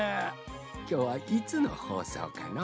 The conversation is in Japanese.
きょうはいつのほうそうかの？